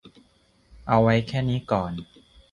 เอาไว้แค่นี้ก่อน